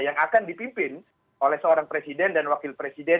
yang akan dipimpin oleh seorang presiden dan wakil presiden